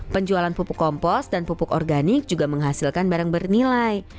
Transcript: penjualan pupuk kompos dan pupuk organik juga menghasilkan barang bernilai